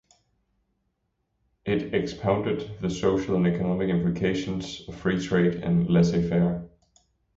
It expounded the social and economic implications of free trade and "laissez-faire".